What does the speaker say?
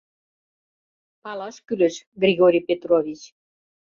— Палаш кӱлеш, Григорий Петрович.